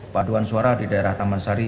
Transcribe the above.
paduan suara di daerah taman sari